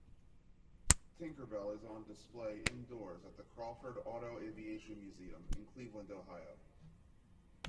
"Tinkerbelle" is on display indoors at the Crawford Auto-Aviation Museum in Cleveland, Ohio.